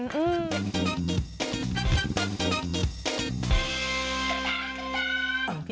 ทุกที่แต่ละอัน